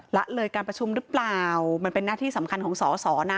ละเลยการประชุมหรือเปล่ามันเป็นหน้าที่สำคัญของสอสอนะ